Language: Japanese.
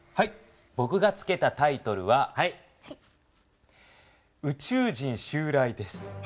ぼくが付けたタイトルは「宇宙人襲来」です。